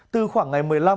từ khoảng ngày một mươi năm